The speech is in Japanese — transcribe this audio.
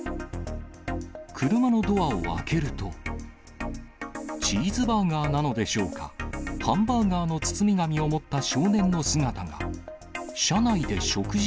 車のドアを開けると、チーズバーガーなのでしょうか、ハンバーガーの包み紙を持った少年の姿が。